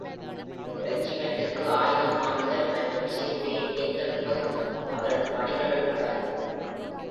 ரெஜிமெண்ட்டுக்கு ஆயுதம் வாங்குதல் மற்றும் சீருடையை தேர்ந்தெடுப்பதும் அவரது பணிகளுள் அடங்கும்.